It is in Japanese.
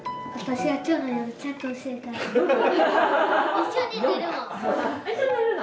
一緒に寝るの？